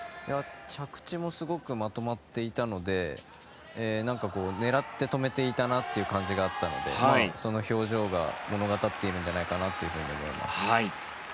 着地もすごくまとまっていたので狙って止めていたなという感じがあったのでその表情が物語っているんじゃないかと思います。